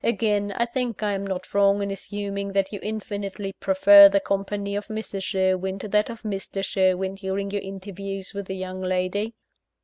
Again: I think I am not wrong in assuming that you infinitely prefer the company of Mrs. Sherwin to that of Mr. Sherwin, during your interviews with the young lady?"